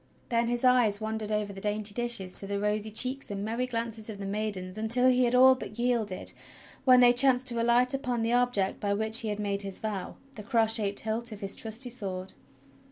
Then his eyes wandered over the dainty dishes to the rosy cheeks and merry glances of the maid ens until he had all but yielded, when they chanced to alight upon the object by which he had made his vow — the cross shaped hilt of his trusty sword.